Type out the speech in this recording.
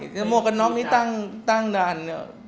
ใช่มวกกับนอกนี่ตั้งด่าน